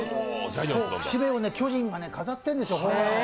節目を巨人が飾ってるんですよ。